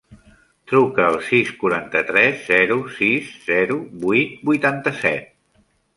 Truca al sis, quaranta-tres, zero, sis, zero, vuit, vuitanta-set.